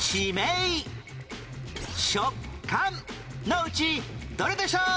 のうちどれでしょう？